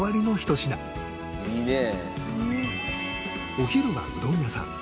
お昼はうどん屋さん